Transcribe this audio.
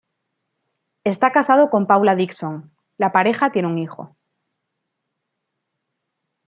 Está casado con Paula Dickson, la pareja tiene un hijo.